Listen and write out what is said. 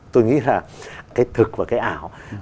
tôi nghĩ là cái thực và cái ảo